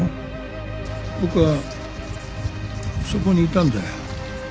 僕はそこにいたんだよ。